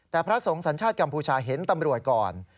แต่พระสงฆ์สัญชาติกัมพูชาเห็นตำรวจก่อน